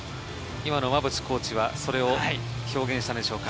今の馬淵コーチはそれを表現したのでしょうか。